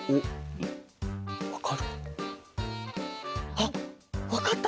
あっわかった！